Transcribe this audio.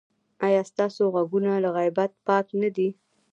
ایا ستاسو غوږونه له غیبت پاک نه دي؟